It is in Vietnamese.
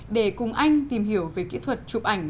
để cùng anh tìm hiểu về kỹ thuật chụp ảnh